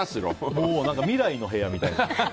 未来の部屋みたいな。